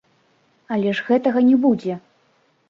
Але ж гэтага не будзе.